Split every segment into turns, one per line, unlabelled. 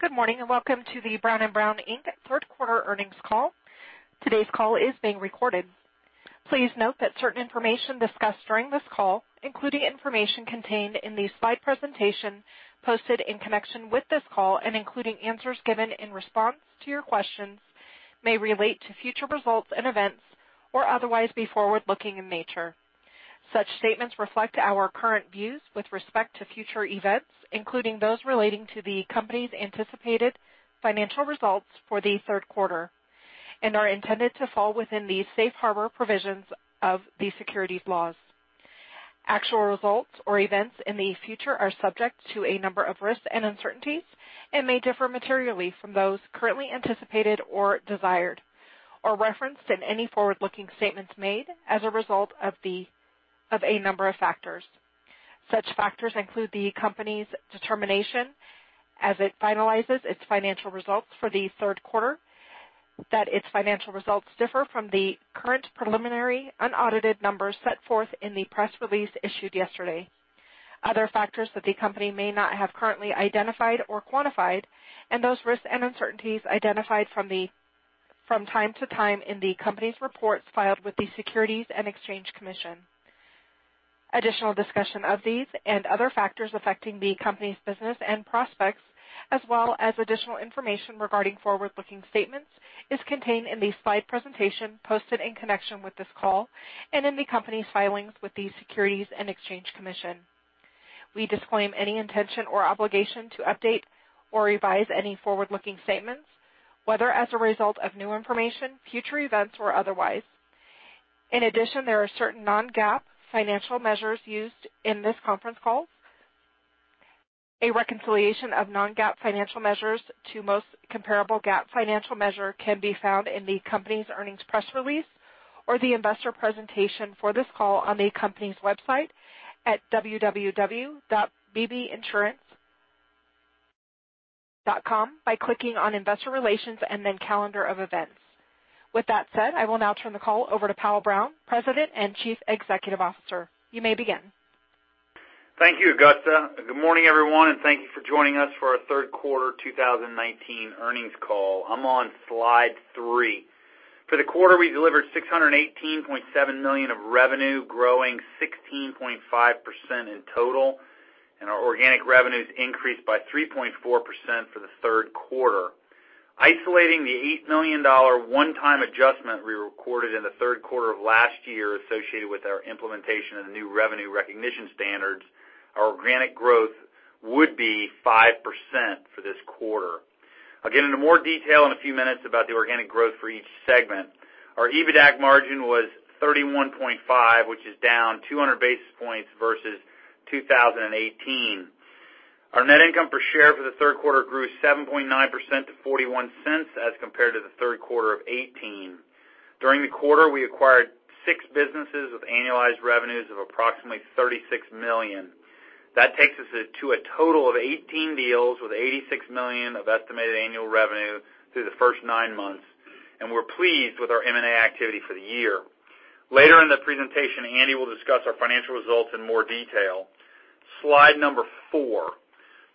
Good morning, and welcome to the Brown & Brown, Inc. third quarter earnings call. Today's call is being recorded. Please note that certain information discussed during this call, including information contained in the slide presentation posted in connection with this call and including answers given in response to your questions, may relate to future results and events or otherwise be forward-looking in nature. Such statements reflect our current views with respect to future events, including those relating to the company's anticipated financial results for the third quarter, and are intended to fall within the safe harbor provisions of the securities laws. Actual results or events in the future are subject to a number of risks and uncertainties and may differ materially from those currently anticipated or desired, or referenced in any forward-looking statements made as a result of a number of factors. Such factors include the company's determination as it finalizes its financial results for the third quarter, that its financial results differ from the current preliminary, unaudited numbers set forth in the press release issued yesterday. Other factors that the company may not have currently identified or quantified, and those risks and uncertainties identified from time to time in the company's reports filed with the Securities and Exchange Commission. Additional discussion of these and other factors affecting the company's business and prospects, as well as additional information regarding forward-looking statements, is contained in the slide presentation posted in connection with this call and in the company's filings with the Securities and Exchange Commission. We disclaim any intention or obligation to update or revise any forward-looking statements, whether as a result of new information, future events, or otherwise. In addition, there are certain non-GAAP financial measures used in this conference call. A reconciliation of non-GAAP financial measures to most comparable GAAP financial measure can be found in the company's earnings press release or the investor presentation for this call on the company's website at www.bbinsurance.com by clicking on Investor Relations and then Calendar of Events. With that said, I will now turn the call over to Powell Brown, President and Chief Executive Officer. You may begin.
Thank you, Gutsa. Good morning, everyone, and thank you for joining us for our third quarter 2019 earnings call. I'm on slide three. For the quarter, we delivered $618.7 million of revenue, growing 16.5% in total, and our organic revenues increased by 3.4% for the third quarter. Isolating the $8 million one-time adjustment we recorded in the third quarter of last year associated with our implementation of the new revenue recognition standards, our organic growth would be 5% for this quarter. I'll get into more detail in a few minutes about the organic growth for each segment. Our EBITDAC margin was 31.5%, which is down 200 basis points versus 2018. Our net income per share for the third quarter grew 7.9% to $0.41 as compared to the third quarter of 2018. During the quarter, we acquired six businesses with annualized revenues of approximately $36 million. That takes us to a total of 18 deals with $86 million of estimated annual revenue through the first nine months. We're pleased with our M&A activity for the year. Later in the presentation, Andy will discuss our financial results in more detail. Slide number four.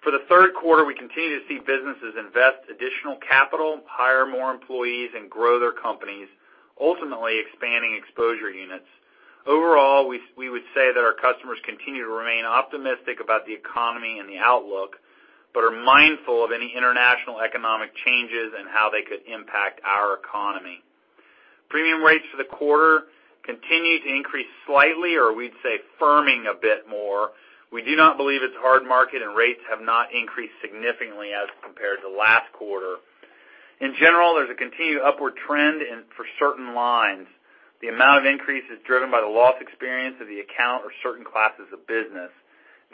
For the third quarter, we continue to see businesses invest additional capital, hire more employees, and grow their companies, ultimately expanding exposure units. Overall, we would say that our customers continue to remain optimistic about the economy and the outlook, but are mindful of any international economic changes and how they could impact our economy. Premium rates for the quarter continued to increase slightly, or we'd say firming a bit more. We do not believe it's a hard market, and rates have not increased significantly as compared to last quarter. In general, there's a continued upward trend for certain lines. The amount of increase is driven by the loss experience of the account or certain classes of business.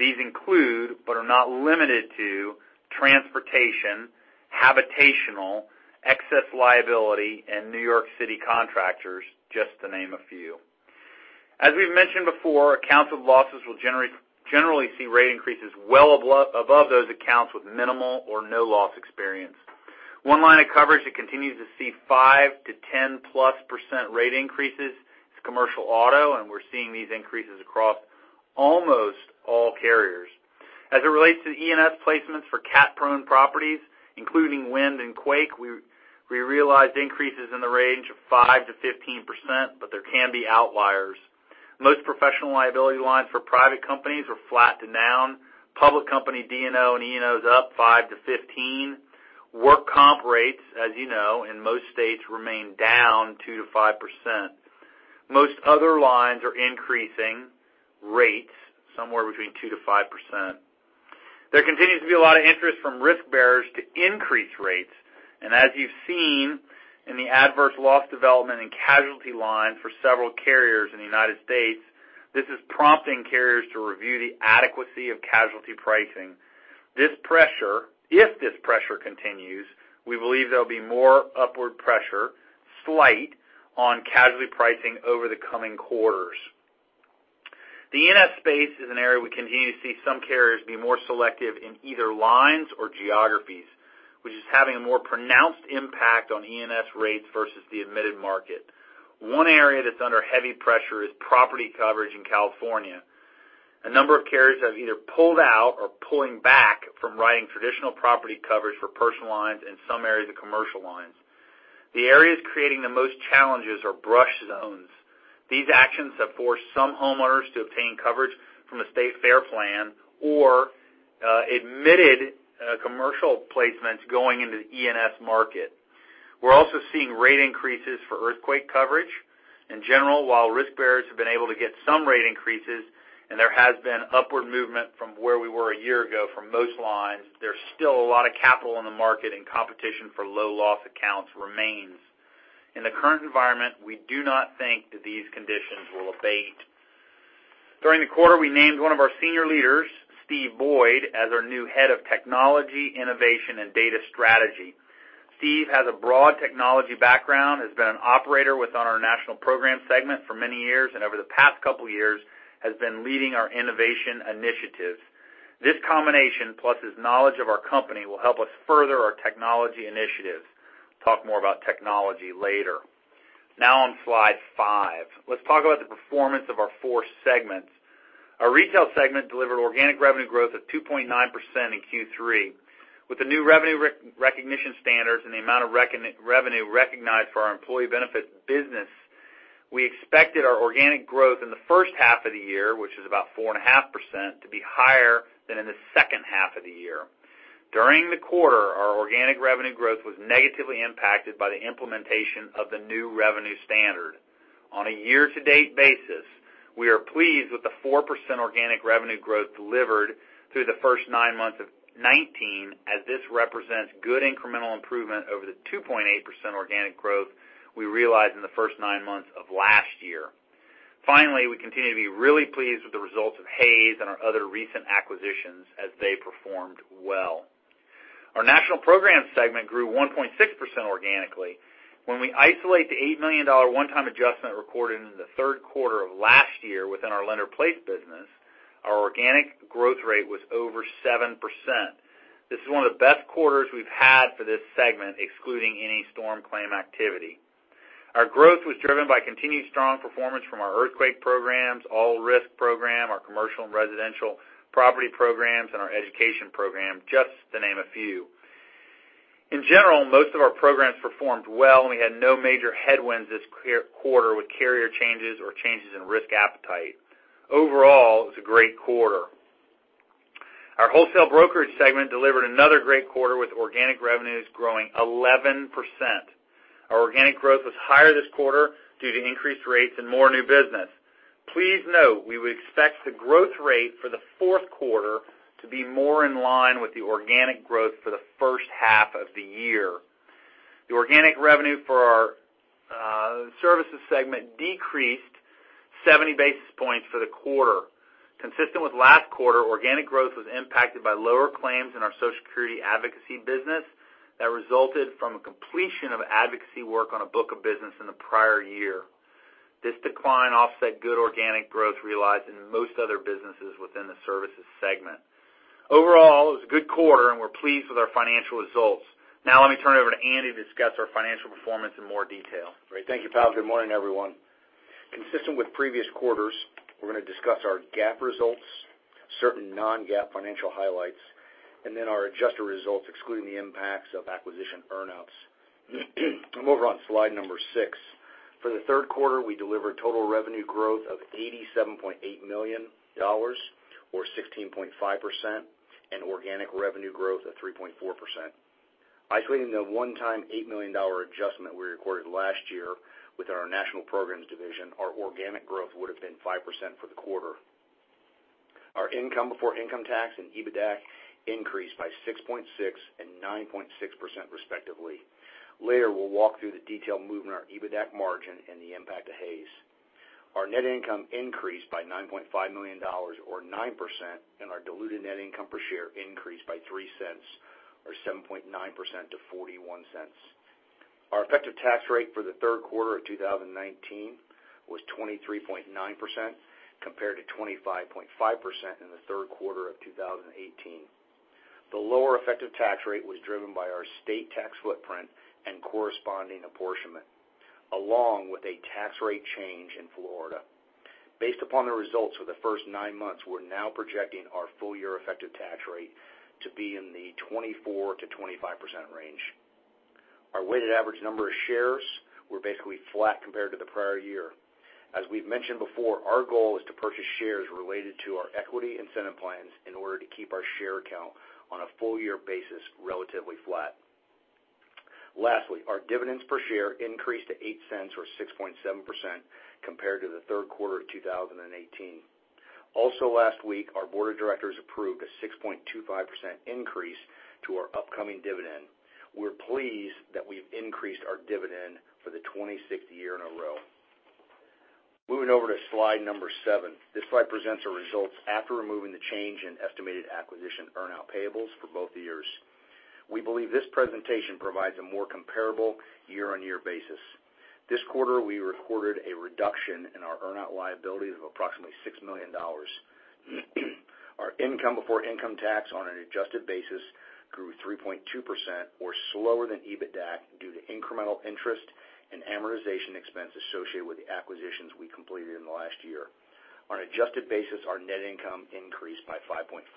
These include, but are not limited to, transportation, habitational, excess liability, and New York City contractors, just to name a few. As we've mentioned before, accounts with losses will generally see rate increases well above those accounts with minimal or no loss experience. One line of coverage that continues to see 5 to 10-plus percent rate increases is commercial auto. We're seeing these increases across almost all carriers. As it relates to E&S placements for cat-prone properties, including wind and quake, we realized increases in the range of 5%-15%, but there can be outliers. Most professional liability lines for private companies were flat to down. Public company D&O and E&O is up 5%-15%. Work comp rates, as you know, in most states remain down 2%-5%. Most other lines are increasing rates somewhere between 2%-5%. There continues to be a lot of interest from risk bearers to increase rates. As you've seen in the adverse loss development and casualty line for several carriers in the U.S., this is prompting carriers to review the adequacy of casualty pricing. If this pressure continues, we believe there'll be more upward pressure, slight, on casualty pricing over the coming quarters. The E&S space is an area we continue to see some carriers be more selective in either lines or geographies, which is having a more pronounced impact on E&S rates versus the admitted market. One area that's under heavy pressure is property coverage in California. A number of carriers have either pulled out or pulling back from writing traditional property coverage for personal lines in some areas of commercial lines. The areas creating the most challenges are brush zones. These actions have forced some homeowners to obtain coverage from a state fair plan or admitted commercial placements going into the E&S market. We're also seeing rate increases for earthquake coverage. In general, while risk bearers have been able to get some rate increases, there has been upward movement from where we were a year ago for most lines. There's still a lot of capital in the market, and competition for low loss accounts remains. In the current environment, we do not think that these conditions will abate. During the quarter, we named one of our senior leaders, Steve Boyd, as our new Head of Technology, Innovation, and Data Strategy. Steve has a broad technology background, has been an operator with our National Program Segment for many years, and over the past couple of years has been leading our innovation initiatives. This combination, plus his knowledge of our company, will help us further our technology initiatives. Talk more about technology later. On slide five, let's talk about the performance of our four segments. Our Retail Segment delivered organic revenue growth of 2.9% in Q3. With the new revenue recognition standards and the amount of revenue recognized for our employee benefits business, we expected our organic growth in the first half of the year, which is about 4.5%, to be higher than in the second half of the year. During the quarter, our organic revenue growth was negatively impacted by the implementation of the new revenue standard. On a year-to-date basis, we are pleased with the 4% organic revenue growth delivered through the first nine months of 2019, as this represents good incremental improvement over the 2.8% organic growth we realized in the first nine months of last year. We continue to be really pleased with the results of Hays and our other recent acquisitions, as they performed well. Our National Program Segment grew 1.6% organically. When we isolate the $8 million one-time adjustment recorded in the third quarter of last year within our lender placed business, our organic growth rate was over 7%. This is one of the best quarters we've had for this segment, excluding any storm claim activity. Our growth was driven by continued strong performance from our Earthquake Programs, All Risk Program, our Commercial and Residential Property Programs, and our Education Program, just to name a few. In general, most of our programs performed well, and we had no major headwinds this quarter with carrier changes or changes in risk appetite. Overall, it was a great quarter. Our Wholesale Brokerage Segment delivered another great quarter with organic revenues growing 11%. Our organic growth was higher this quarter due to increased rates and more new business. Please note, we would expect the growth rate for the fourth quarter to be more in line with the organic growth for the first half of the year. The organic revenue for our Services Segment decreased 70 basis points for the quarter. Consistent with last quarter, organic growth was impacted by lower claims in our Social Security advocacy business that resulted from a completion of advocacy work on a book of business in the prior year. This decline offset good organic growth realized in most other businesses within the Services Segment. Overall, it was a good quarter, and we're pleased with our financial results. Let me turn it over to Andy to discuss our financial performance in more detail.
Great. Thank you, Pow. Good morning, everyone. Consistent with previous quarters, we are going to discuss our GAAP results, certain non-GAAP financial highlights, and our adjusted results, excluding the impacts of acquisition earn-outs. Move over on slide number six. For the third quarter, we delivered total revenue growth of $87.8 million, or 16.5%, and organic revenue growth of 3.4%. Isolating the one-time $8 million adjustment we recorded last year with our national programs division, our organic growth would have been 5% for the quarter. Our income before income tax and EBITDA increased by 6.6% and 9.6% respectively. Later, we will walk through the detailed movement of our EBITDA margin and the impact of Hays. Our net income increased by $9.5 million or 9%, and our diluted net income per share increased by $0.03 or 7.9% to $0.41. Our effective tax rate for the third quarter of 2019 was 23.9%, compared to 25.5% in the third quarter of 2018. The lower effective tax rate was driven by our state tax footprint and corresponding apportionment, along with a tax rate change in Florida. Based upon the results for the first nine months, we are now projecting our full year effective tax rate to be in the 24%-25% range. Our weighted average number of shares were basically flat compared to the prior year. As we have mentioned before, our goal is to purchase shares related to our equity incentive plans in order to keep our share count on a full year basis relatively flat. Lastly, our dividends per share increased to $0.08 or 6.7% compared to the third quarter of 2018. Also last week, our board of directors approved a 6.25% increase to our upcoming dividend. We are pleased that we have increased our dividend for the 26th year in a row. Moving over to slide number seven. This slide presents our results after removing the change in estimated acquisition earn-out payables for both years. We believe this presentation provides a more comparable year-on-year basis. This quarter, we recorded a reduction in our earn-out liability of approximately $6 million. Our income before income tax on an adjusted basis grew 3.2%, or slower than EBITDAC due to incremental interest and amortization expense associated with the acquisitions we completed in the last year. On an adjusted basis, our net income increased by 5.5%.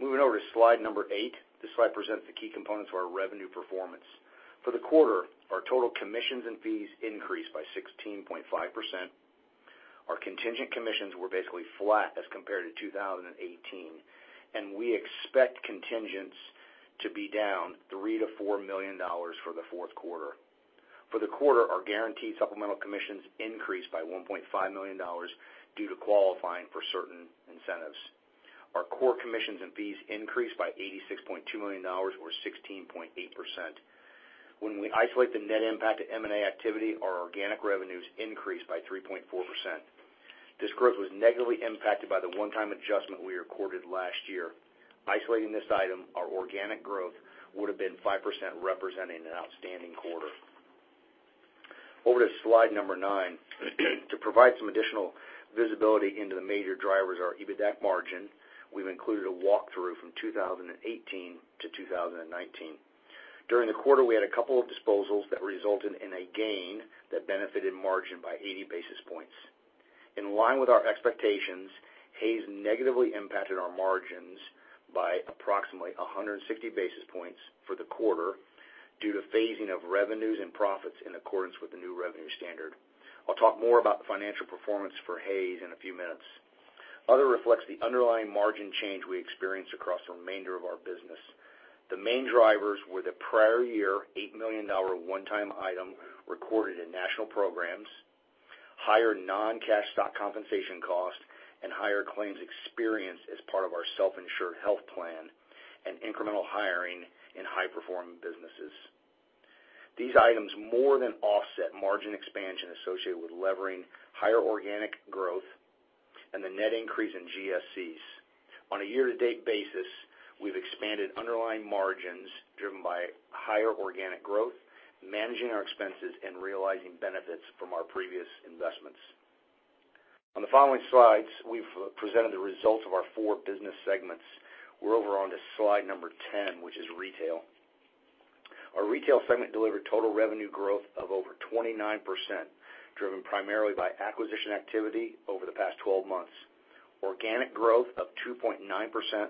Moving over to slide number eight. This slide presents the key components of our revenue performance. For the quarter, our total commissions and fees increased by 16.5%. Our contingent commissions were basically flat as compared to 2018. We expect contingents to be down $3 million-$4 million for the fourth quarter. For the quarter, our guaranteed supplemental commissions increased by $1.5 million due to qualifying for certain incentives. Our core commissions and fees increased by $86.2 million or 16.8%. When we isolate the net impact to M&A activity, our organic revenues increased by 3.4%. This growth was negatively impacted by the one-time adjustment we recorded last year. Isolating this item, our organic growth would have been 5%, representing an outstanding quarter. Over to slide number nine. To provide some additional visibility into the major drivers of our EBITDAC margin, we have included a walkthrough from 2018 to 2019. During the quarter, we had a couple of disposals that resulted in a gain that benefited margin by 80 basis points. In line with our expectations, Hays negatively impacted our margins by approximately 160 basis points for the quarter due to phasing of revenues and profits in accordance with the new revenue standard. I'll talk more about the financial performance for Hays in a few minutes. Other reflects the underlying margin change we experienced across the remainder of our business. The main drivers were the prior year $8 million one-time item recorded in National Programs, higher non-cash stock compensation cost, and higher claims experience as part of our self-insured health plan, and incremental hiring in high performing businesses. These items more than offset margin expansion associated with levering higher organic growth and the net increase in GSCs. On a year-to-date basis, we've expanded underlying margins driven by higher organic growth, managing our expenses, and realizing benefits from our previous investments. On the following slides, slide 10, which is Retail. Our Retail segment delivered total revenue growth of over 29%, driven primarily by acquisition activity over the past 12 months. Organic growth of 2.9%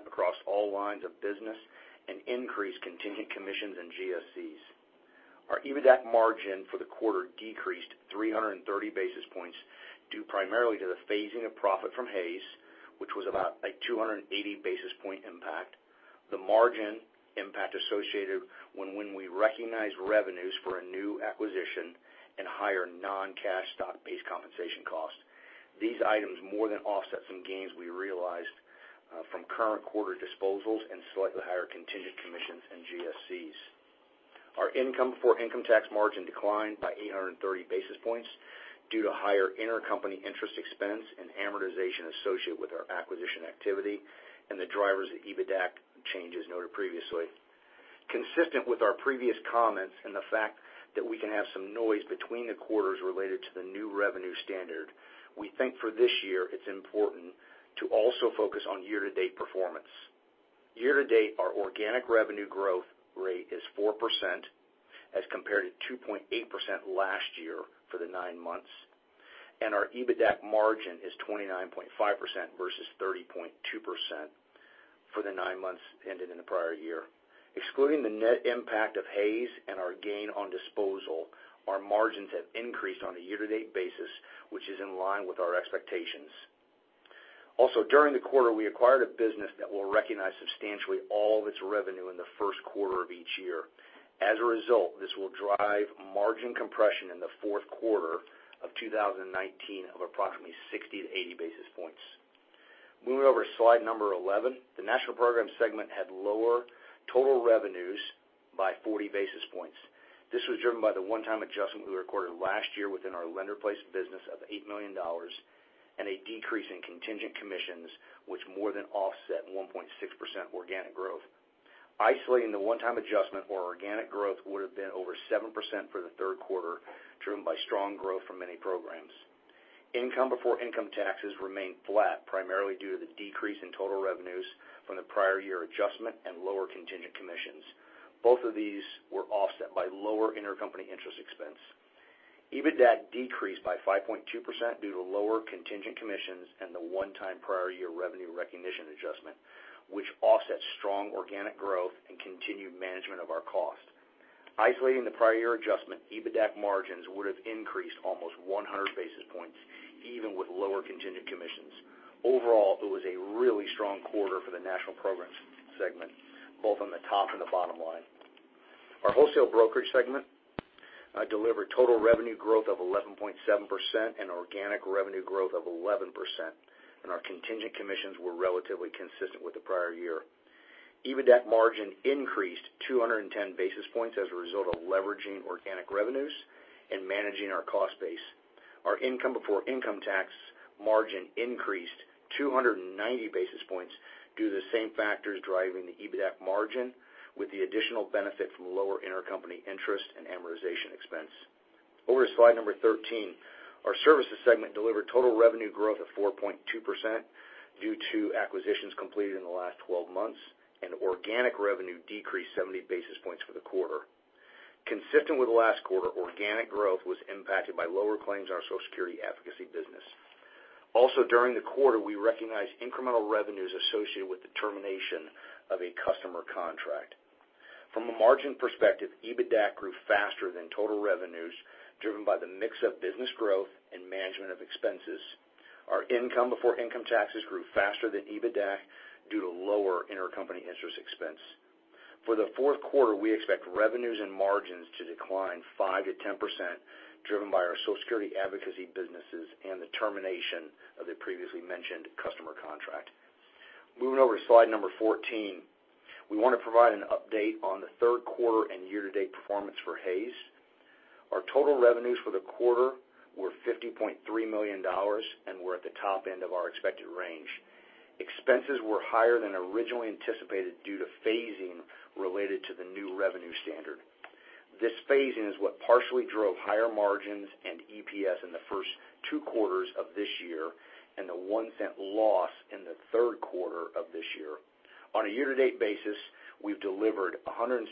across all lines of business and increased contingent commissions and GSCs. Our EBITDAC margin for the quarter decreased 330 basis points due primarily to the phasing of profit from Hays, which was about a 280 basis point impact. The margin impact associated when we recognize revenues for a new acquisition and higher non-cash stock-based compensation cost. These items more than offset some gains we realized from current quarter disposals and slightly higher contingent commissions and GSCs. Our income before income tax margin declined by 830 basis points due to higher intercompany interest expense and amortization associated with our acquisition activity and the drivers of EBITDAC changes noted previously. Consistent with our previous comments and the fact that we can have some noise between the quarters related to the new revenue standard, we think for this year it's important to also focus on year-to-date performance. Year-to-date, our organic revenue growth rate is 4% as compared to 2.8% last year for the nine months, and our EBITDAC margin is 29.5% versus 30.2% for the nine months ended in the prior year. Excluding the net impact of Hays and our gain on disposal, our margins have increased on a year-to-date basis, which is in line with our expectations. During the quarter, we acquired a business that will recognize substantially all of its revenue in the first quarter of each year. As a result, this will drive margin compression in the fourth quarter of 2019 of approximately 60 to 80 basis points. Moving over to slide 11. The National Programs segment had lower total revenues by 40 basis points. This was driven by the one-time adjustment we recorded last year within our lender-placed business of $8 million and a decrease in contingent commissions, which more than offset 1.6% organic growth. Isolating the one-time adjustment or organic growth would have been over 7% for the third quarter, driven by strong growth from many programs. Income before income taxes remained flat, primarily due to the decrease in total revenues from the prior year adjustment and lower contingent commissions. Both of these were offset by lower intercompany interest expense. EBITDAC decreased by 5.2% due to lower contingent commissions and the one-time prior year revenue recognition adjustment, which offsets strong organic growth and continued management of our cost. Isolating the prior year adjustment, EBITDAC margins would have increased almost 100 basis points even with lower contingent commissions. Overall, it was a really strong quarter for the National Programs segment, both on the top and the bottom line. Our Wholesale Brokerage segment delivered total revenue growth of 11.7% and organic revenue growth of 11%. Our contingent commissions were relatively consistent with the prior year. EBITDAC margin increased 210 basis points as a result of leveraging organic revenues and managing our cost base. Our income before income tax margin increased 290 basis points due to the same factors driving the EBITDAC margin with the additional benefit from lower intercompany interest and amortization expense. Over to slide number 13. Our Services segment delivered total revenue growth of 4.2% due to acquisitions completed in the last 12 months. Organic revenue decreased 70 basis points for the quarter. Consistent with last quarter, organic growth was impacted by lower claims on our Social Security advocacy business. Also, during the quarter, we recognized incremental revenues associated with the termination of a customer contract. From a margin perspective, EBITDAC grew faster than total revenues, driven by the mix of business growth and management of expenses. Our income before income taxes grew faster than EBITDAC due to lower intercompany interest expense. For the fourth quarter, we expect revenues and margins to decline 5%-10%, driven by our Social Security advocacy businesses and the termination of the previously mentioned customer contract. Moving over to slide number 14. We want to provide an update on the third quarter and year-to-date performance for Hays. Our total revenues for the quarter were $50.3 million and were at the top end of our expected range. Expenses were higher than originally anticipated due to phasing related to the new revenue standard. This phasing is what partially drove higher margins and EPS in the first two quarters of this year, and the $0.01 loss in the third quarter of this year. On a year-to-date basis, we've delivered $168.5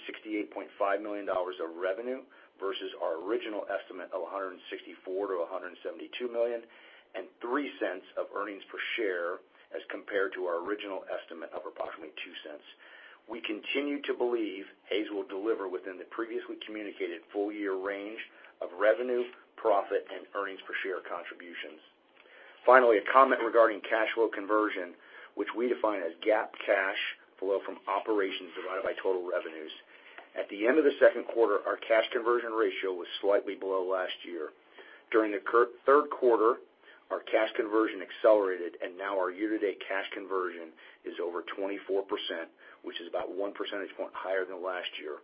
million of revenue versus our original estimate of $164 million-$172 million. We've delivered $0.03 of earnings per share as compared to our original estimate of approximately $0.02. We continue to believe Hays will deliver within the previously communicated full-year range of revenue, profit, and earnings per share contributions. Finally, a comment regarding cash flow conversion, which we define as GAAP cash flow from operations divided by total revenues. At the end of the second quarter, our cash conversion ratio was slightly below last year. During the third quarter, our cash conversion accelerated, and now our year-to-date cash conversion is over 24%, which is about one percentage point higher than last year.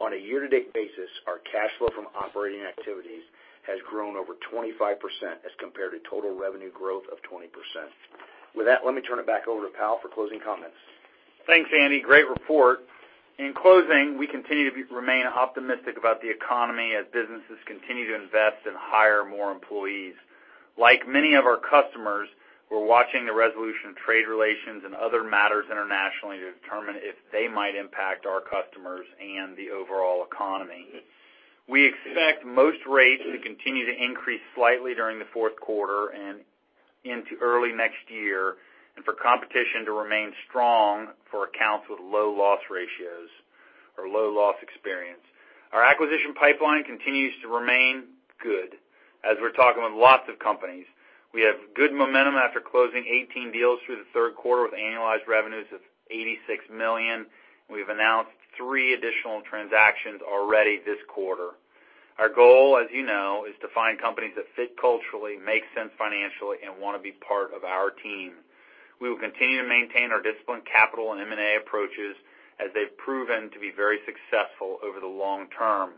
On a year-to-date basis, our cash flow from operating activities has grown over 25% as compared to total revenue growth of 20%. With that, let me turn it back over to Pow for closing comments.
Thanks, Andy. Great report. In closing, we continue to remain optimistic about the economy as businesses continue to invest and hire more employees. Like many of our customers, we're watching the resolution of trade relations and other matters internationally to determine if they might impact our customers and the overall economy. We expect most rates to continue to increase slightly during the fourth quarter and into early next year, and for competition to remain strong for accounts with low loss ratios or low loss experience. Our acquisition pipeline continues to remain good as we're talking with lots of companies. We have good momentum after closing 18 deals through the third quarter with annualized revenues of $86 million. We've announced three additional transactions already this quarter. Our goal, as you know, is to find companies that fit culturally, make sense financially, and want to be part of our team. We will continue to maintain our disciplined capital and M&A approaches as they've proven to be very successful over the long term.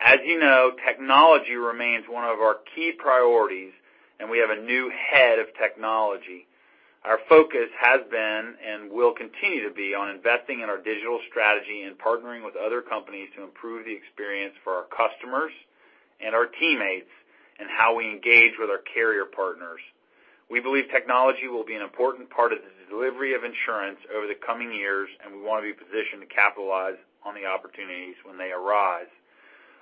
As you know, technology remains one of our key priorities, and we have a new head of technology. Our focus has been and will continue to be on investing in our digital strategy and partnering with other companies to improve the experience for our customers and our teammates, and how we engage with our carrier partners. We believe technology will be an important part of the delivery of insurance over the coming years, and we want to be positioned to capitalize on the opportunities when they arise.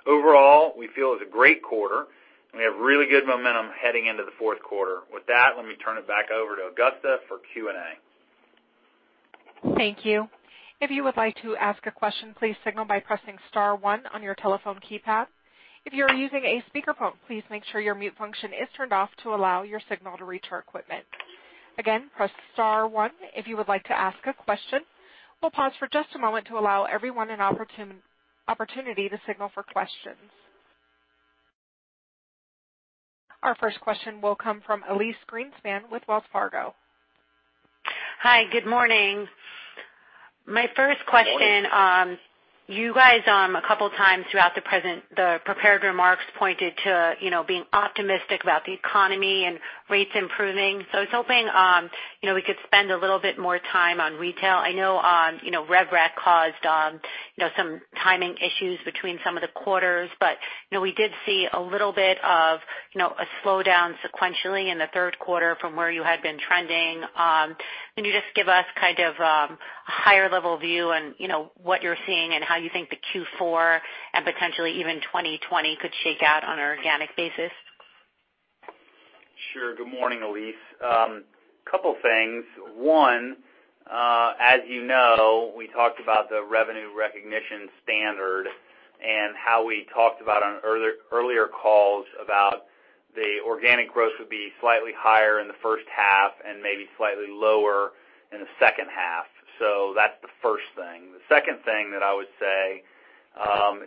Overall, we feel it's a great quarter, and we have really good momentum heading into the fourth quarter. With that, let me turn it back over to Gutsa for Q&A.
Thank you. If you would like to ask a question, please signal by pressing star one on your telephone keypad. If you are using a speakerphone, please make sure your mute function is turned off to allow your signal to reach our equipment. Again, press star one if you would like to ask a question. We'll pause for just a moment to allow everyone an opportunity to signal for questions. Our first question will come from Elyse Greenspan with Wells Fargo.
Hi, good morning. My first question, you guys, a couple of times throughout the prepared remarks pointed to being optimistic about the economy and rates improving. I was hoping we could spend a little bit more time on retail. I know RevRec caused some timing issues between some of the quarters, but we did see a little bit of a slowdown sequentially in the third quarter from where you had been trending. Can you just give us a higher level view on what you're seeing and how you think the Q4 and potentially even 2020 could shake out on an organic basis?
Sure. Good morning, Elyse. Couple of things. One, as you know, we talked about the revenue recognition standard and how we talked about on earlier calls about the organic growth would be slightly higher in the first half and maybe slightly lower in the second half. That's the first thing. The second thing that I would say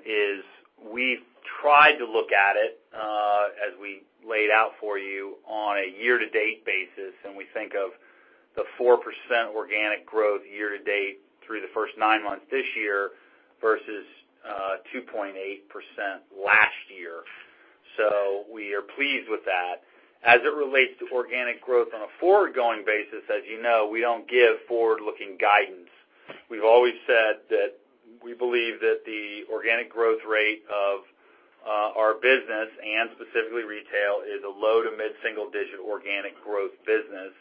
is we've tried to look at it, as we laid out for you on a year-to-date basis, and we think of the 4% organic growth year-to-date through the first nine months this year versus 2.8% last year. We are pleased with that. As it relates to organic growth on a forward-going basis, as you know, we don't give forward-looking guidance. We've always said that we believe that the organic growth rate of our business, and specifically retail, is a low-to-mid single-digit organic growth business.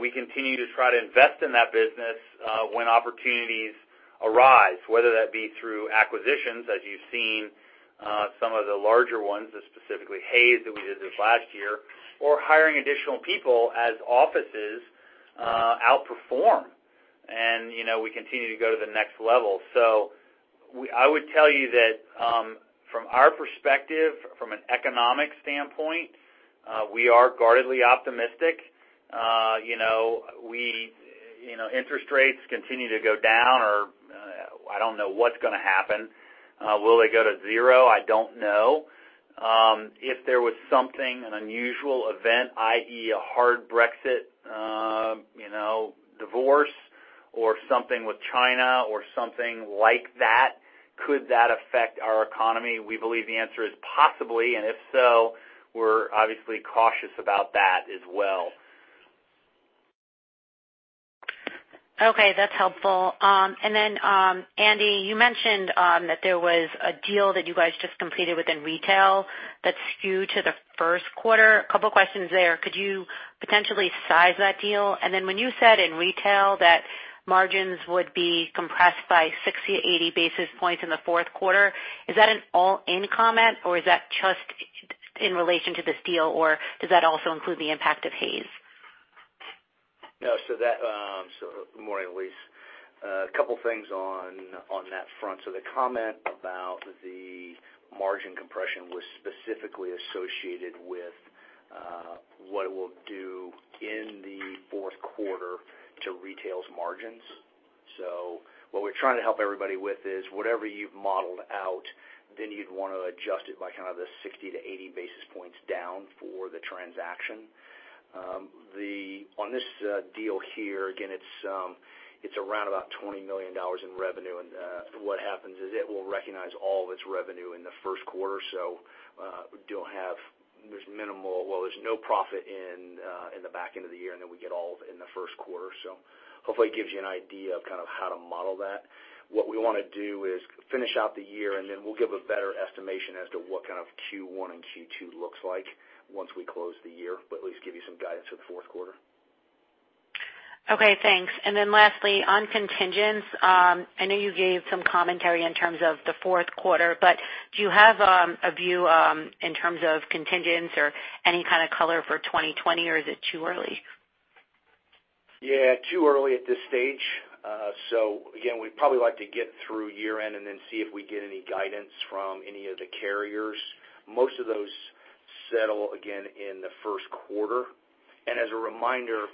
We continue to try to invest in that business when opportunities arise, whether that be through acquisitions, as you've seen some of the larger ones, specifically Hays that we did this last year, or hiring additional people as offices outperform, and we continue to go to the next level. I would tell you that from our perspective, from an economic standpoint, we are guardedly optimistic. Interest rates continue to go down or I don't know what's going to happen. Will they go to zero? I don't know. If there was something, an unusual event, i.e., a hard Brexit divorce or something with China or something like that, could that affect our economy? We believe the answer is possibly, and if so, we're obviously cautious about that as well.
Okay, that's helpful. Andy, you mentioned that there was a deal that you guys just completed within retail that's skewed to the first quarter. A couple of questions there. Could you potentially size that deal? Then when you said in retail that margins would be compressed by 60-80 basis points in the fourth quarter, is that an all-in comment, or is that just in relation to this deal, or does that also include the impact of Hays?
No. Good morning, Elyse. A couple of things on that front. The comment about the margin compression was specifically associated with what it will do in the fourth quarter to retail's margins. What we're trying to help everybody with is whatever you've modeled out, then you'd want to adjust it by kind of the 60-80 basis points down for the transaction. On this deal here, again, it's around about $20 million in revenue. What happens is it will recognize all of its revenue in the first quarter. There's minimal, well, there's no profit in the back end of the year, we get all of it in the first quarter. Hopefully it gives you an idea of how to model that. What we want to do is finish out the year, then we'll give a better estimation as to what Q1 and Q2 looks like once we close the year, at least give you some guidance for the fourth quarter.
Okay, thanks. Lastly, on contingents, I know you gave some commentary in terms of the fourth quarter, do you have a view in terms of contingents or any kind of color for 2020, or is it too early?
Yeah, too early at this stage. Again, we'd probably like to get through year-end then see if we get any guidance from any of the carriers. Most of those settle, again, in the first quarter. As a reminder,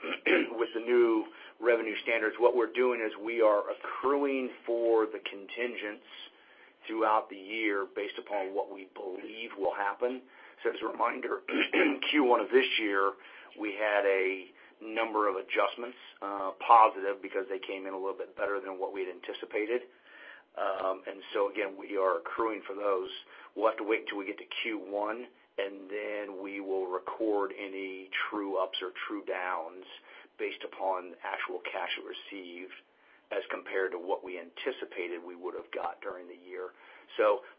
with the new revenue standards, what we're doing is we are accruing for the contingents throughout the year based upon what we believe will happen. As a reminder, Q1 of this year, we had a number of adjustments, positive because they came in a little bit better than what we had anticipated. Again, we are accruing for those. We'll have to wait until we get to Q1, then we will record any true ups or true downs based upon actual cash received as compared to what we anticipated we would have got during the year.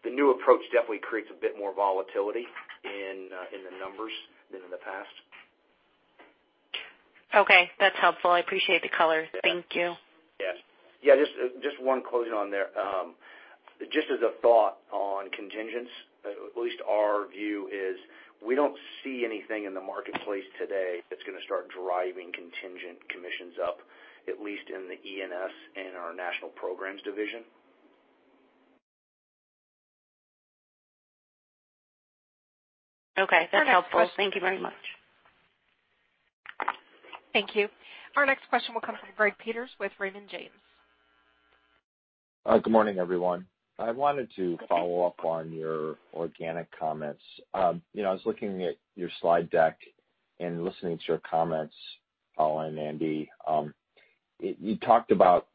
The new approach definitely creates a bit more volatility in the numbers than in the past.
Okay, that's helpful. I appreciate the color. Thank you.
Yes. Just one closing on there. Just as a thought on contingents, at least our view is we don't see anything in the marketplace today that's going to start driving contingent commissions up, at least in the E&S and our national programs division.
Okay. That's helpful. Thank you very much.
Thank you. Our next question will come from Gregory Peters with Raymond James.
Good morning, everyone. I wanted to follow up on your organic comments. I was looking at your slide deck and listening to your comments, Powell and Andy. You talked about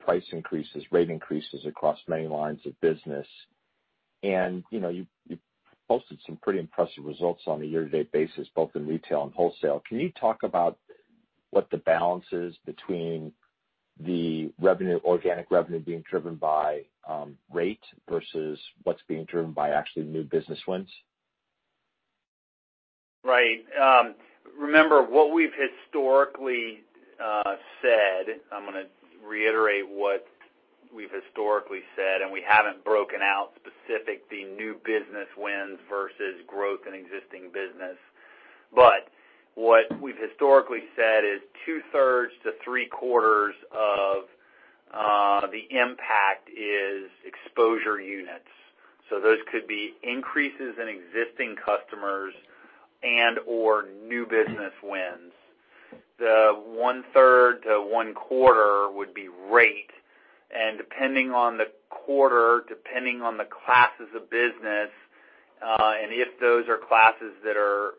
price increases, rate increases across many lines of business, and you posted some pretty impressive results on a year-to-date basis, both in retail and wholesale. Can you talk about what the balance is between the organic revenue being driven by rate versus what's being driven by actually new business wins?
Right. Remember, what we've historically said, I'm going to reiterate what we've historically said. We haven't broken out specifically new business wins versus growth in existing business. What we've historically said is two-thirds to three-quarters of the impact is exposure units. Those could be increases in existing customers and/or new business wins. The one-third to one-quarter would be rate. Depending on the quarter, depending on the classes of business. If those are classes that are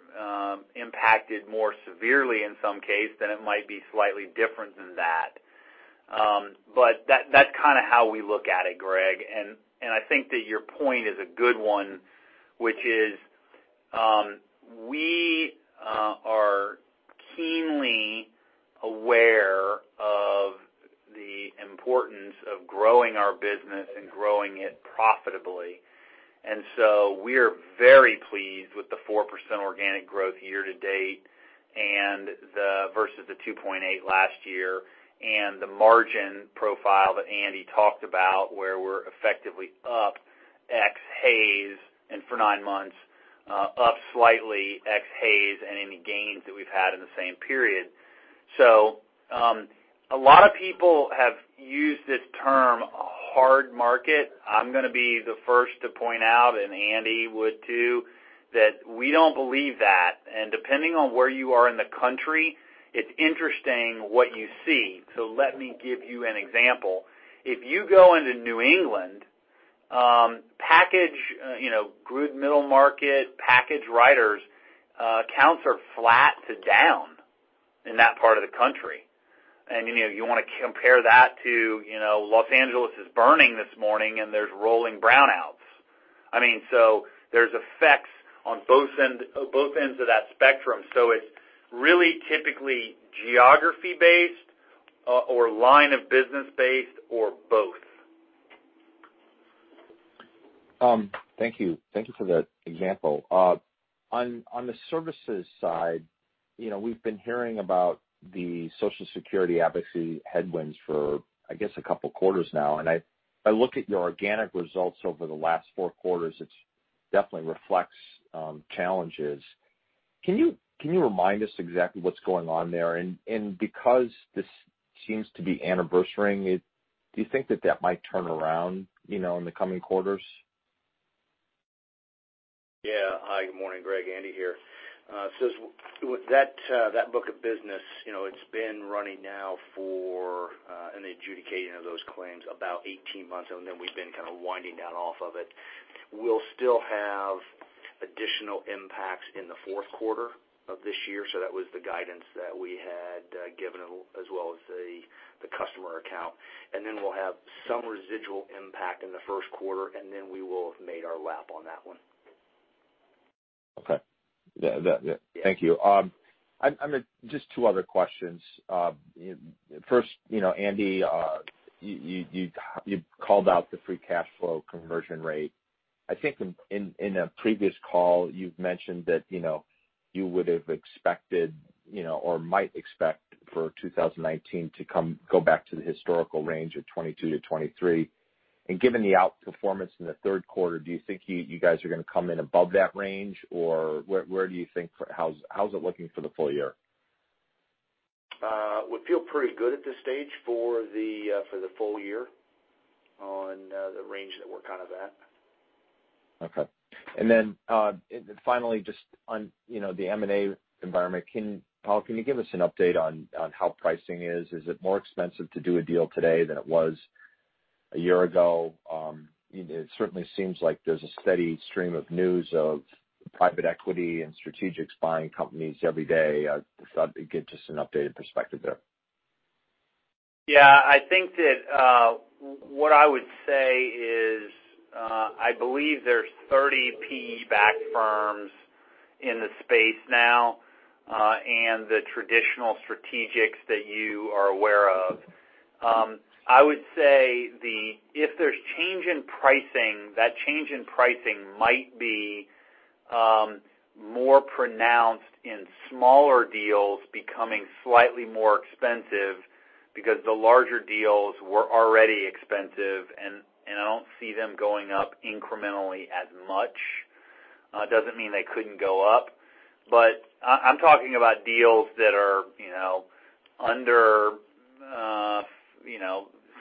impacted more severely in some case, then it might be slightly different than that. That's kind of how we look at it, Gregory. I think that your point is a good one, which is, we are keenly aware of the importance of growing our business and growing it profitably. We are very pleased with the 4% organic growth year-to-date versus the 2.8% last year, and the margin profile that Andy talked about, where we're effectively up ex Hays Companies and for nine months, up slightly ex Hays Companies and any gains that we've had in the same period. A lot of people have used this term, hard market. I'm going to be the first to point out, Andy would too, that we don't believe that. Depending on where you are in the country, it's interesting what you see. Let me give you an example. If you go into New England, good middle market package writers, counts are flat to down in that part of the country. You want to compare that to Los Angeles is burning this morning and there's rolling brownouts. There's effects on both ends of that spectrum. It's really typically geography-based or line of business-based, or both.
Thank you for that example. On the services side, we've been hearing about the Social Security advocacy headwinds for, I guess, a couple of quarters now, I look at your organic results over the last 4 quarters. It definitely reflects challenges. Can you remind us exactly what's going on there? Because this seems to be anniversaring, do you think that that might turn around in the coming quarters?
Hi, good morning, Greg, Andy here. With that book of business, it's been running now for, in the adjudicating of those claims, about 18 months, and then we've been kind of winding down off of it. We'll still have additional impacts in the fourth quarter of this year. That was the guidance that we had given as well as the customer account. We'll have some residual impact in the first quarter, and then we will have made our lap on that one.
Okay. Thank you. Just two other questions. First, Andy, you called out the free cash flow conversion rate. I think in a previous call, you've mentioned that you would have expected or might expect for 2019 to go back to the historical range of 22-23. Given the outperformance in the third quarter, do you think you guys are going to come in above that range, or how's it looking for the full year?
We feel pretty good at this stage for the full year on the range that we're kind of at.
Okay. Finally just on the M&A environment, Pow, can you give us an update on how pricing is? Is it more expensive to do a deal today than it was a year ago? It certainly seems like there's a steady stream of news of private equity and strategics buying companies every day. I just thought you'd give just an updated perspective there.
Yeah, I think that what I would say is, I believe there's 30 PE-backed firms in the space now, and the traditional strategics that you are aware of. I would say if there's change in pricing, that change in pricing might be more pronounced in smaller deals becoming slightly more expensive because the larger deals were already expensive, and I don't see them going up incrementally as much. Doesn't mean they couldn't go up. I'm talking about deals that are under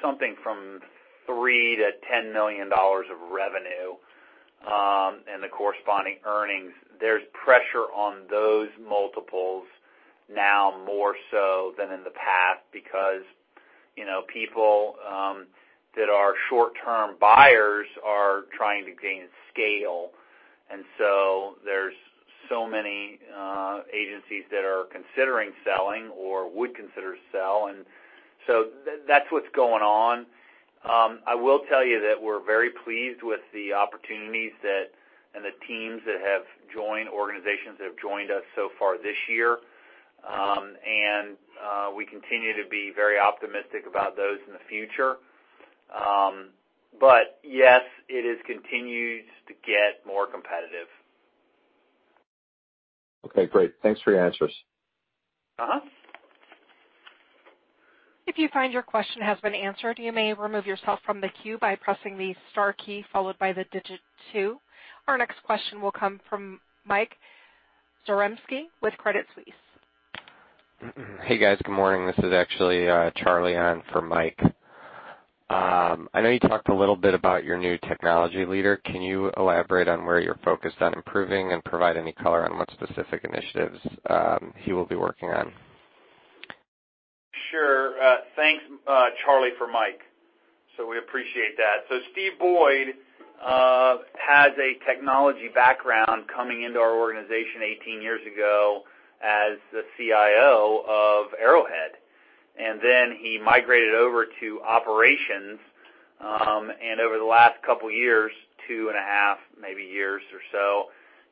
something from $3 million-$10 million of revenue, and the corresponding earnings. There's pressure on those multiples now more so than in the past because people that are short-term buyers are trying to gain scale. There's so many agencies that are considering selling or would consider to sell, and so that's what's going on. I will tell you that we're very pleased with the opportunities and the teams that have joined, organizations that have joined us so far this year. We continue to be very optimistic about those in the future. Yes, it has continued to get more competitive.
Okay, great. Thanks for your answers.
If you find your question has been answered, you may remove yourself from the queue by pressing the star key followed by the digit 2. Our next question will come from Mike Zaremski with Credit Suisse.
Hey, guys. Good morning. This is actually Charlie on for Mike. I know you talked a little bit about your new technology leader. Can you elaborate on where you're focused on improving and provide any color on what specific initiatives he will be working on?
Sure. Thanks, Charlie for Mike. We appreciate that. Steve Boyd has a technology background coming into our organization 18 years ago as the CIO of Arrowhead, and then he migrated over to operations. Over the last couple years, two and a half maybe years or so,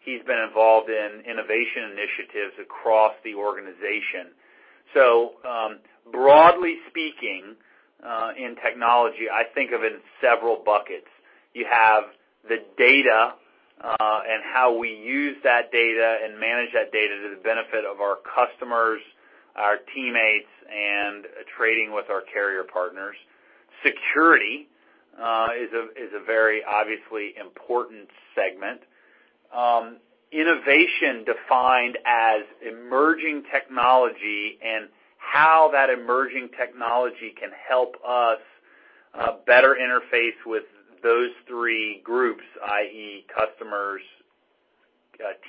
he's been involved in innovation initiatives across the organization. Broadly speaking, in technology, I think of it in several buckets. You have the data, and how we use that data and manage that data to the benefit of our customers, our teammates, and trading with our carrier partners. Security is a very obviously important segment. Innovation defined as emerging technology and how that emerging technology can help us better interface with those three groups, i.e. customers,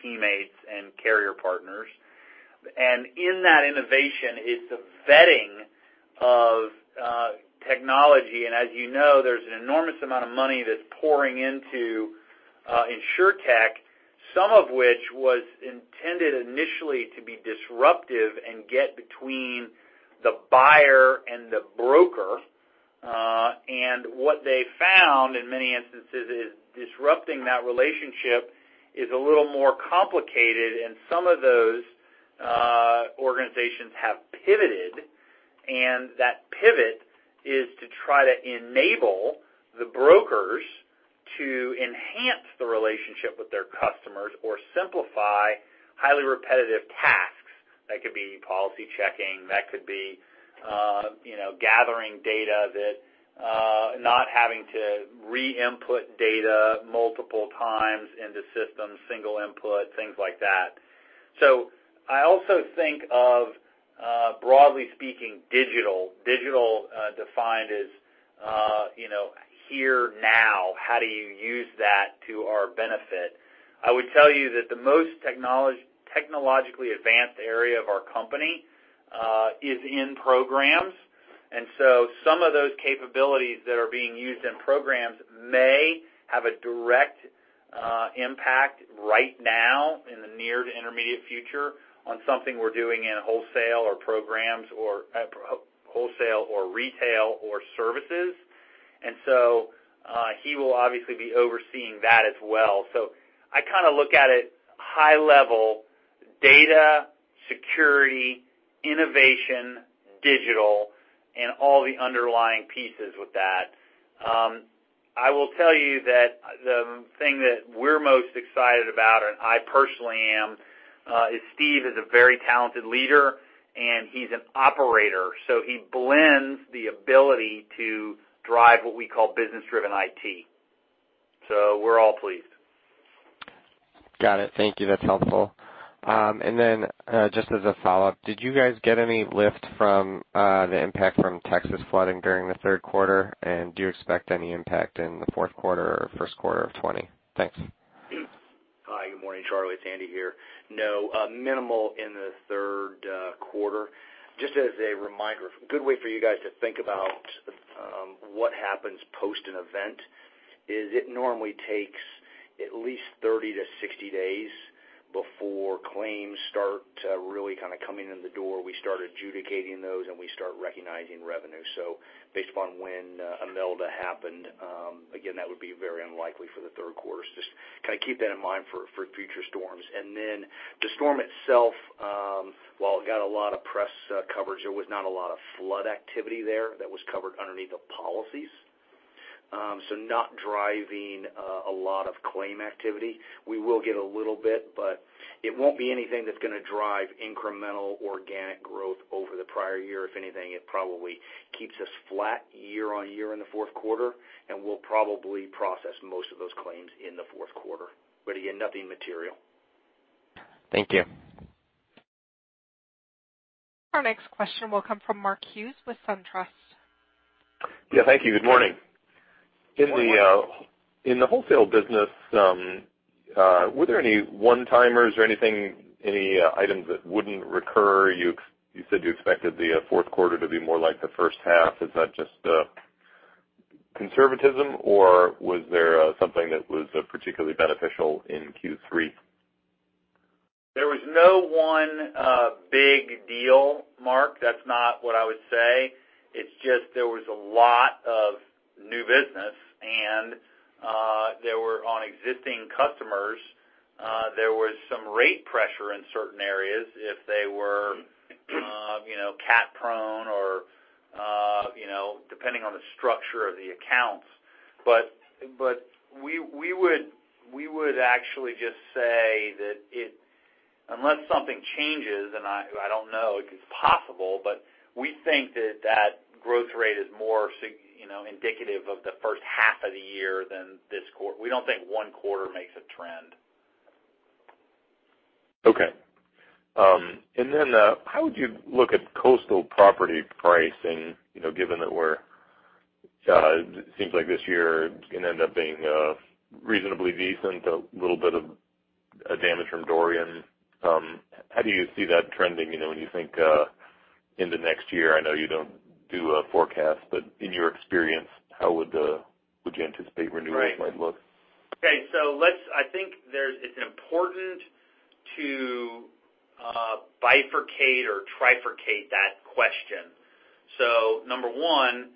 teammates, and carrier partners. In that innovation is the vetting of technology. As you know, there's an enormous amount of money that's pouring into Insurtech, some of which was intended initially to be disruptive and get between the buyer and the broker. What they found, in many instances, is disrupting that relationship is a little more complicated, and some of those organizations have pivoted, and that pivot is to try to enable the brokers to enhance the relationship with their customers or simplify highly repetitive tasks. That could be policy checking, that could be gathering data that not having to re-input data multiple times into systems, single input, things like that. I also think of, broadly speaking, digital. Digital defined as here, now, how do you use that to our benefit? I would tell you that the most technologically advanced area of our company is in programs. Some of those capabilities that are being used in programs may have a direct impact right now in the near to intermediate future on something we're doing in wholesale or retail or services. He will obviously be overseeing that as well. I kind of look at it high level, data, security, innovation, digital, and all the underlying pieces with that. I will tell you that the thing that we're most excited about, and I personally am, is Steve is a very talented leader, and he's an operator, he blends the ability to drive what we call business-driven IT. We're all pleased.
Got it. Thank you. That's helpful. Just as a follow-up, did you guys get any lift from the impact from Texas flooding during the third quarter? Do you expect any impact in the fourth quarter or first quarter of 2020? Thanks.
Hi. Good morning, Charlie. It's Andy here. No, minimal in the third quarter. Just as a reminder, a good way for you guys to think about what happens post an event is it normally takes at least 30-60 days before claims start to really kind of coming in the door. We start adjudicating those, and we start recognizing revenue. Based upon when Imelda happened, again, that would be very unlikely for the third quarter. Just kind of keep that in mind for future storms. The storm itself, while it got a lot of press coverage, there was not a lot of flood activity there that was covered underneath the policies. Not driving a lot of claim activity. We will get a little bit, but it won't be anything that's going to drive incremental organic growth over the prior year. If anything, it probably keeps us flat year-on-year in the fourth quarter, and we'll probably process most of those claims in the fourth quarter. Again, nothing material.
Thank you.
Our next question will come from Mark Hughes with SunTrust.
Yeah, thank you. Good morning.
Good morning.
In the wholesale business, were there any one-timers or anything, any items that wouldn't recur? You said you expected the fourth quarter to be more like the first half. Is that just conservatism, or was there something that was particularly beneficial in Q3?
There was no one big deal, Mark. That's not what I would say. It's just there was a lot of new business, and there were on existing customers, there was some rate pressure in certain areas if they were cat-prone or depending on the structure of the accounts. We would actually just say that unless something changes, and I don't know, it's possible, but we think that that growth rate is more indicative of the first half of the year than this quarter. We don't think one quarter makes a trend.
Okay. How would you look at coastal property pricing, given that It seems like this year it's going to end up being reasonably decent, a little bit of damage from Dorian. How do you see that trending when you think into next year? I know you don't do a forecast, but in your experience, how would you anticipate renewals might look?
Right. Okay. I think it's important to bifurcate or trifurcate that question. Number one,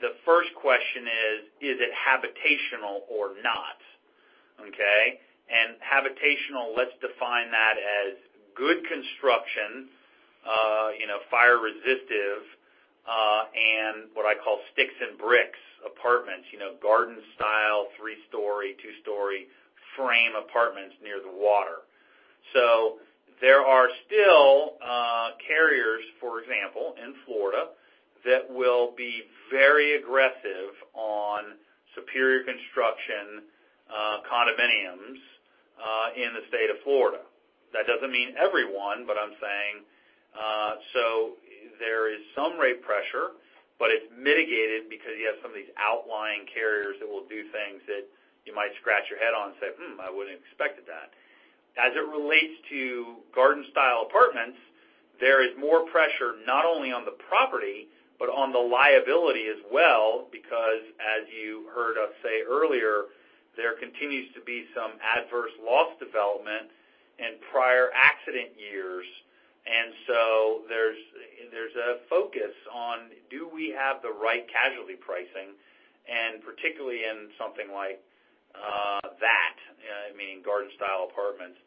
the first question is it habitational or not, okay? Habitational, let's define that as good construction, fire resistive, and what I call sticks and bricks apartments, garden style, three story, two story frame apartments near the water. There are still carriers, for example, in Florida that will be very aggressive on superior construction condominiums in the state of Florida. That doesn't mean everyone, but I'm saying, there is some rate pressure, but it's mitigated because you have some of these outlying carriers that will do things that you might scratch your head on and say, "Hmm, I wouldn't have expected that." As it relates to garden style apartments, there is more pressure not only on the property, but on the liability as well, because as you heard us say earlier, there continues to be some adverse loss development in prior accident years. There's a focus on, do we have the right casualty pricing? And particularly in something like that, I mean, garden style apartments.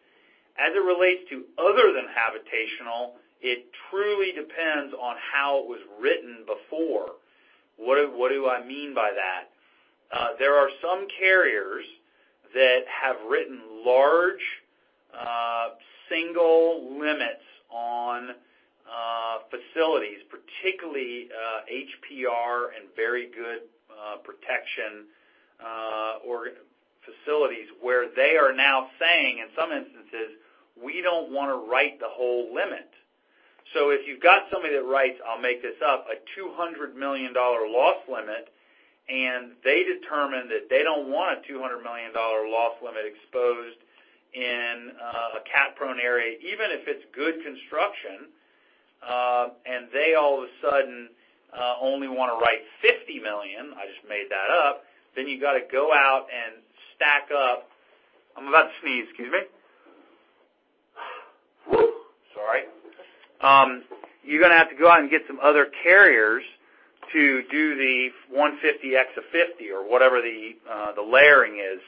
As it relates to other than habitational, it truly depends on how it was written before. What do I mean by that? There are some carriers that have written large, single limits on facilities, particularly HPR and very good protection, or facilities where they are now saying, in some instances, we don't want to write the whole limit. If you've got somebody that writes, I'll make this up, a $200 million loss limit, and they determine that they don't want a $200 million loss limit exposed in a cat-prone area, even if it's good construction, and they all of a sudden, only want to write $50 million, I just made that up, then you got to go out and stack up. I'm about to sneeze. Excuse me. Woo. Sorry. You're going to have to go out and get some other carriers to do the 150x of 50 or whatever the layering is.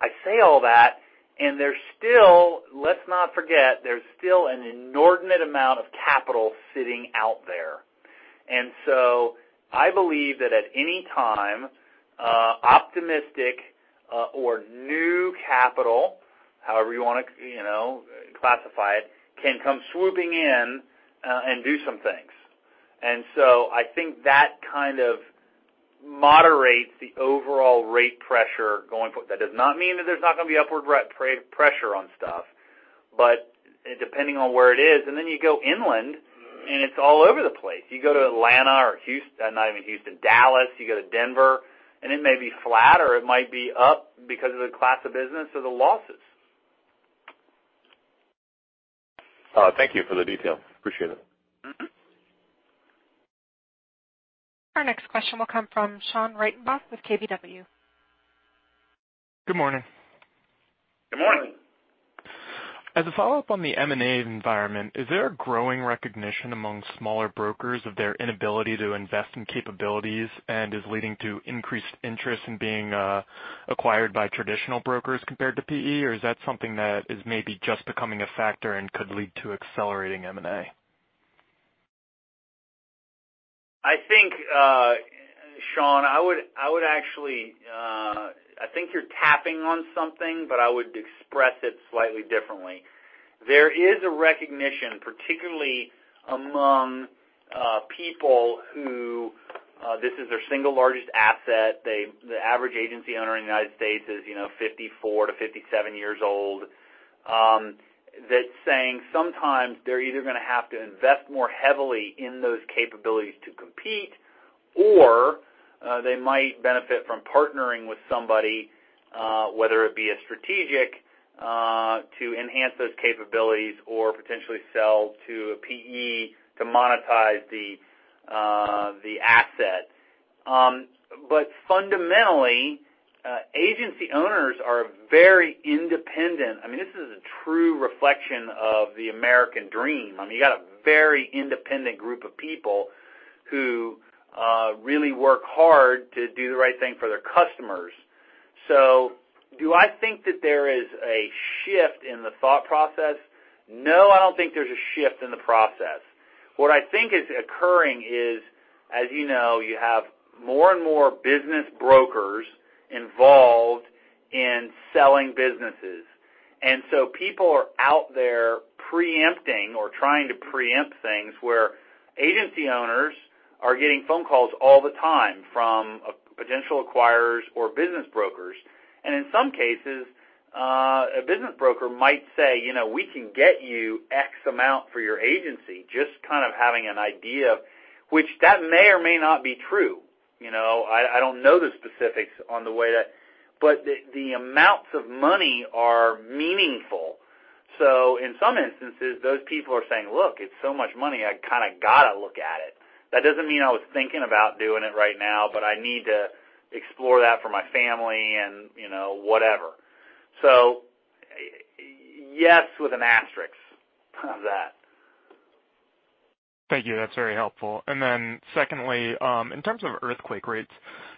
I say all that, and let's not forget, there's still an inordinate amount of capital sitting out there. I believe that at any time, optimistic or new capital, however you want to classify it, can come swooping in and do some things. I think that kind of moderates the overall rate pressure going forward. That does not mean that there's not going to be upward pressure on stuff. Depending on where it is, and then you go inland and it's all over the place. You go to Atlanta or Houston, not even Houston, Dallas, you go to Denver, and it may be flat or it might be up because of the class of business or the losses.
Thank you for the detail. Appreciate it.
Our next question will come from Sean Reitenbach with KBW.
Good morning.
Good morning.
As a follow-up on the M&A environment, is there a growing recognition among smaller brokers of their inability to invest in capabilities and is leading to increased interest in being acquired by traditional brokers compared to PE? Is that something that is maybe just becoming a factor and could lead to accelerating M&A?
I think, Sean, I think you're tapping on something, I would express it slightly differently. There is a recognition, particularly among people who this is their single largest asset. The average agency owner in the U.S. is 54-57 years old. That's saying sometimes they're either going to have to invest more heavily in those capabilities to compete, or they might benefit from partnering with somebody, whether it be a strategic to enhance those capabilities or potentially sell to a PE to monetize the asset. Fundamentally, agency owners are very independent. This is a true reflection of the American dream. You got a very independent group of people who really work hard to do the right thing for their customers. Do I think that there is a shift in the thought process? No, I don't think there's a shift in the process. What I think is occurring is, as you know, you have more and more business brokers involved in selling businesses. People are out there preempting or trying to preempt things where agency owners are getting phone calls all the time from potential acquirers or business brokers. In some cases, a business broker might say, "We can get you X amount for your agency," just kind of having an idea of which that may or may not be true. I don't know the specifics on the way that. The amounts of money are meaningful. In some instances, those people are saying, "Look, it's so much money. I kind of got to look at it. That doesn't mean I was thinking about doing it right now, but I need to explore that for my family and whatever." Yes, with an asterisk, that.
Thank you. That's very helpful. Secondly, in terms of earthquake rates,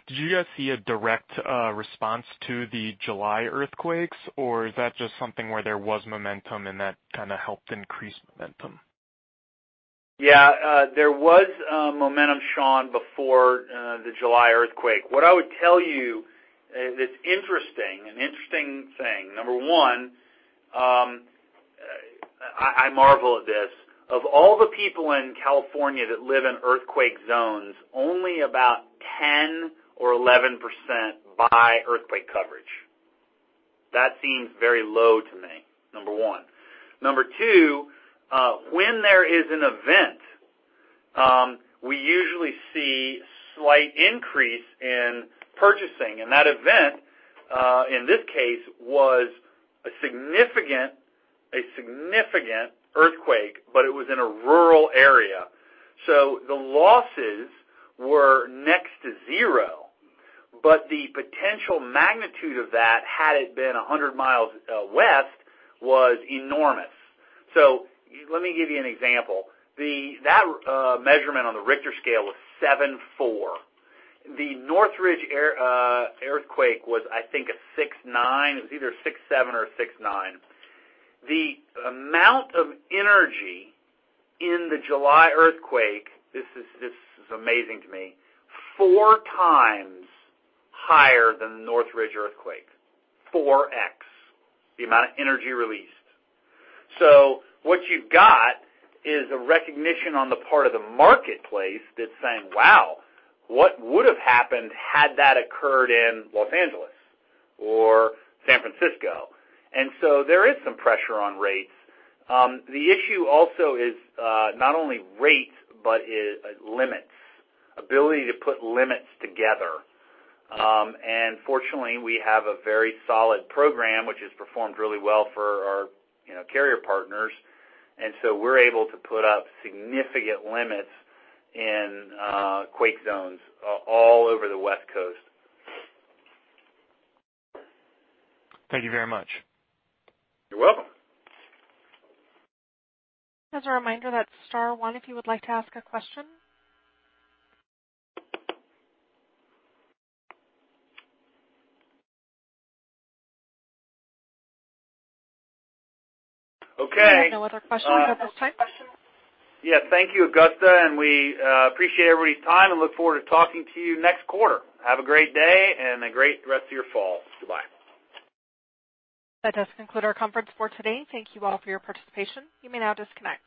did you guys see a direct response to the July earthquakes, or is that just something where there was momentum and that kind of helped increase momentum?
Yeah. There was momentum, Sean, before the July earthquake. What I would tell you is it's interesting, an interesting thing. Number one, I marvel at this. Of all the people in California that live in earthquake zones, only about 10%-11% buy earthquake coverage. That seems very low to me, number one. Number two, when there is an event, we usually see slight increase in purchasing. That event, in this case, was a significant earthquake, but it was in a rural area. The losses were next to zero. The potential magnitude of that, had it been 100 miles west, was enormous. Let me give you an example. That measurement on the Richter scale was 7.4. The Northridge earthquake was, I think, a 6.9. It was either a 6.7 or a 6.9. The amount of energy in the July earthquake, this is amazing to me, four times higher than the Northridge earthquake, 4x the amount of energy released. What you've got is a recognition on the part of the marketplace that's saying, wow, what would've happened had that occurred in Los Angeles or San Francisco? There is some pressure on rates. The issue also is not only rates, but limits, ability to put limits together. Fortunately, we have a very solid program, which has performed really well for our carrier partners. We're able to put up significant limits in quake zones all over the West Coast.
Thank you very much.
You're welcome.
As a reminder, that's star one if you would like to ask a question.
Okay.
No other questions at this time.
Yeah. Thank you, Gusta, and we appreciate everybody's time and look forward to talking to you next quarter. Have a great day and a great rest of your fall. Goodbye.
That does conclude our conference for today. Thank you all for your participation. You may now disconnect.